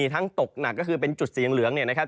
ทั้งตกนะคือเป็นจุดสีเย็นเหลืองนะครับ